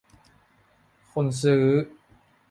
คนซื้อ